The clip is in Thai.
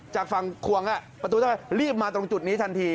จากฝั่งควงประตูต้องไปรีบมาตรงจุดนี้ทันที